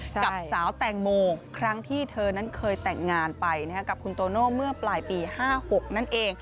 กับสาวแตงโมครั้งที่เธอนั้นเคยแต่งงานไปกับคุณโตโน่เมื่อปลายปี๕๖นั่นเอง